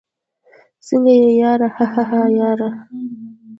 څنګه يې ياره؟ هههه ياره